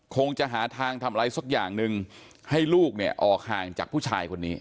คงจะหาทางทำอะไรสักอย่างหนึ่งให้ลูกเนี่ยออกห่างจากผู้ชายคนนี้